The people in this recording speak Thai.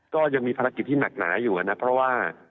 ก็ยังมีภารกิจที่หนักหนาอยู่นะเพราะว่า